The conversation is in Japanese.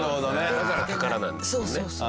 だから宝なんですもんね。